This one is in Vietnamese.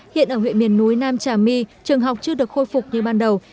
hiện ở huyện miền núi nam trà my trường học chưa được khôi phục như ban đầu